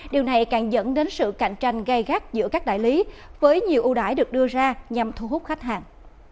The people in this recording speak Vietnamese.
điều này càng dẫn đến sự cạnh tranh gây gắt giữa các đại lý với nhiều ưu đãi được đưa ra nhằm thu hút khách hàng